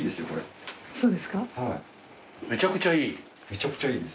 めちゃくちゃいい？